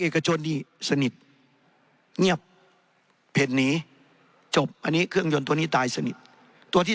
เอกชนนี่สนิทเงียบเพจหนีจบอันนี้เครื่องยนต์ตัวนี้ตายสนิทตัวที่